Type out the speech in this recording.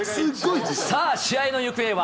さあ、試合の行方は。